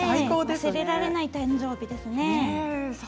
忘れられない誕生日ですね。